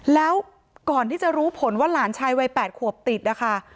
แล้วก่อนที่จะรู้ผลว่าหลานชายวัย๘ขวบติดนะคะ